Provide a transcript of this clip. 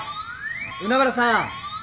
海原さん！